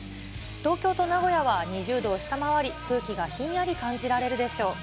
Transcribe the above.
東京と名古屋は２０度を下回り、空気がひんやり感じられるでしょう。